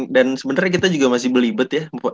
dan sebenarnya kita juga masih berlibet ya